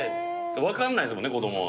分かんないっすもんね子供は。